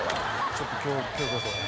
ちょっと今日こそはね。